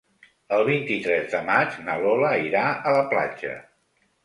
El vint-i-tres de maig na Lola irà a la platja.